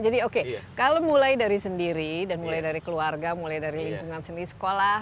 jadi oke kalau mulai dari sendiri dan mulai dari keluarga mulai dari lingkungan sendiri sekolah